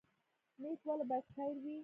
نیت ولې باید خیر وي؟